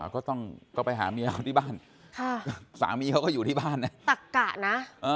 ก็ต้องก็ไปหาเมียเขาที่บ้านสามีเขาก็อยู่ที่บ้านนะตักกะนะ